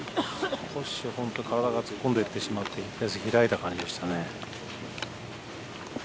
少し体が突っ込んでいってしまって開いた感じでしたね。